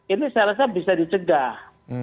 ini saya rasa bisa dicegah